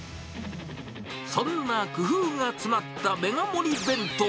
そんな工夫が詰まったメガ盛り弁当。